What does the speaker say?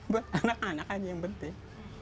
buat anak anak aja yang penting